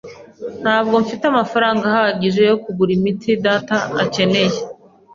Ntabwo mfite amafaranga ahagije yo kugura imiti data akeneye.